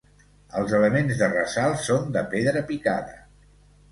Els elements de ressalt són de pedra picada.